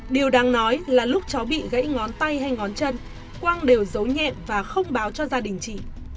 điều đáng nói là lúc cháu bị gãy ngón tay hay ngón chân quang đều giấu nhẹ và không báo cho gia đình chị